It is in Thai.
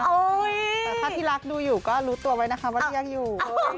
แต่ถ้าพี่รักดูอยู่ก็รู้ตัวไว้นะคะว่าที่ยังอยู่